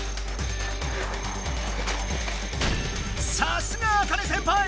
さすがあかね先輩！